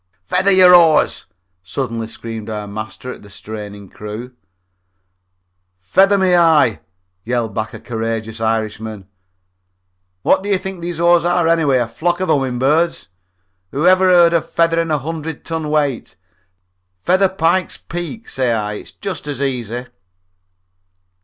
"Feather your oars!" suddenly screamed our master at the straining crew. "Feather me eye!" yelled back a courageous Irishman. "What do you think these oars are, anyway a flock of humming birds? Whoever heard of feathering a hundred ton weight? Feather Pike's Peak, say I; it's just as easy."